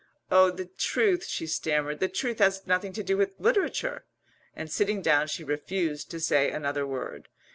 "Oh, the truth," she stammered, "the truth has nothing to do with literature," and sitting down she refused to say another word.